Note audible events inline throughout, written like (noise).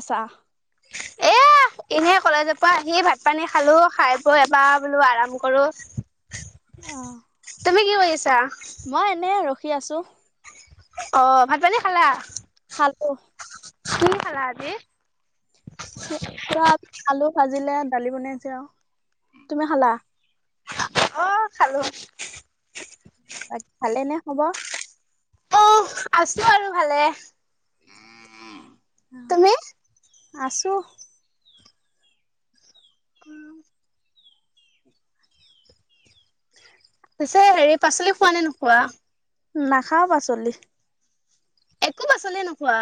আছা এ এনে কলেজৰ পৰা আহি ভাত পানী খালোঁ খাই বয় এবাৰ বোলো আৰাম কৰোঁ। অ কৰি আছা মই এনে ৰখি আছোঁ। অ ভাত পানী খালা খালোঁ কি খালা আজি চ চয়া আলু ভাজিলে দালি বনাইছে আৰু তুমি খালা অ খালোঁ বাকী ভালে নে খবৰ আছোঁ আৰু ভালে তুমি আছোঁ উম পিছে হেৰি পাচলি খোৱা নে নোখোৱা নাখাওঁ পাচলি একো পাচলি নোখোৱা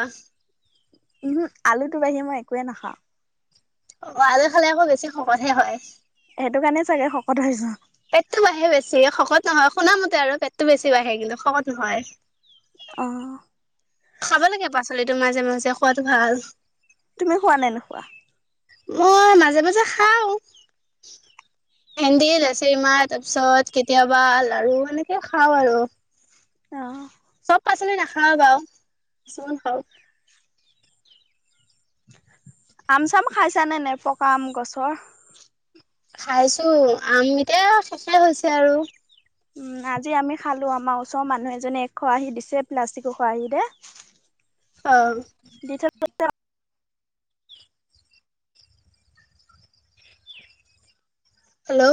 উম আলুটো বাহিৰে মই একোৱে নাখাওঁ অ আলু খালে আকৌ বেছি শকতহে হয় সেইটো কাৰণে চাগে শকত হৈছোঁ পেটতটো বাঢ়ে বেছি শকত নহয় শুনামতে আৰু পেটটো বেছি বাঢ়ে কিন্তু শকত নহয় অঁ খাব লাগে পাচলিটো মাজে মাজে খোৱাতো ভাল খোৱা নে নোখোৱা মই মাজে মাজে খাওঁ ভেন্দি, লেছেৰি মাহ তাৰ পিছত কেতিয়াবা লাৰু এনেকে খাওঁ আৰু অ চব পাচলি নাখাওঁ বাৰু কিছুমান খাওঁ আম চাম খাইছ নে নে পকা আম গছৰ খাইছোঁ আম এতিয়া শেষ আৰু। উম আজি আমি খালো আমাৰ ওচৰৰ মানুহ এজনে এক খৰাহি দিছে প্লাষ্টিকৰ খৰাহিতে। অ। (inaudible) হেল্ল'অ।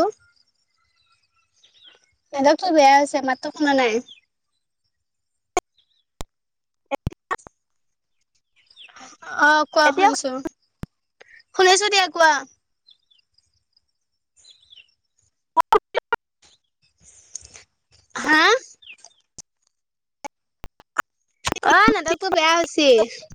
নেটৱৰ্কটো বেয়া হৈছে মাতো শুনা নাই। অ কোৱা এতিয়া শুনিছো শুনিছো দিয়া কোৱা। হা। অ নেটৱৰ্কটো বেয়া হৈছি।